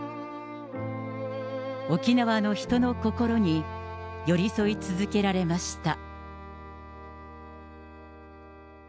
沖縄の人の心に寄り添い続けられました。